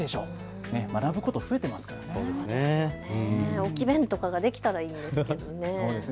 置き勉とかできたらいいですよね。